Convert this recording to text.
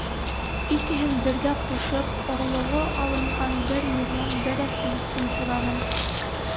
Икеһен бергә ҡушып, орлоғо алынған бер лимон, бер әфлисун тураным.